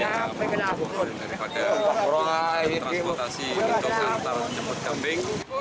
daripada transportasi untuk antar jemput kambing